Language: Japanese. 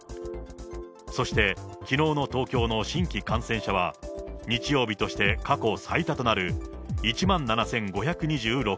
そして、きのうの東京の新規感染者は、日曜日として過去最多となる１万７５２６人。